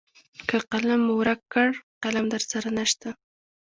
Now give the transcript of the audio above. که قلم مو ورک کړ قلم درسره نشته .